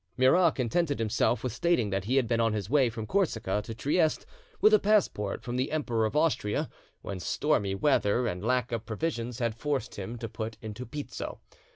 Murat contented himself with stating that he had been on his way from Corsica to Trieste with a passport from the Emperor of Austria when stormy weather and lack of provisions had forced him to put into Pizzo.